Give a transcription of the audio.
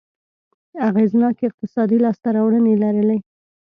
اغېزناکې اقتصادي لاسته راوړنې لرلې.